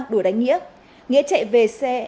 đùa đánh nghĩa nghĩa chạy về xe